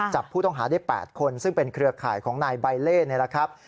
จับผู้ต้องหาได้๘คนซึ่งเป็นเครือข่ายของนายใบเล่นี่แหละครับ